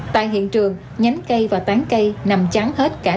tại hiện trường nhánh cây và tán cây nằm trắng hết cả cây